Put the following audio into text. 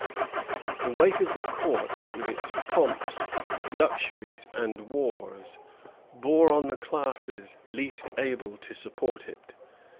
The weight of the Court, with its pomps, luxuries, and wars, bore on the classes least able to support it.